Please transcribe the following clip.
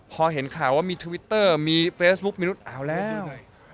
พอเห็นข่าวว่ามีทวิตเตอร์มีเฟซบุ๊คมีนุษย์เอาแล้ว